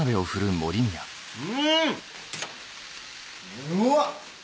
うわっ。